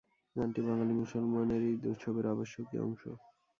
গানটি বাঙালি মুসলমানের ঈদ উৎসবের আবশ্যকীয় অংশ।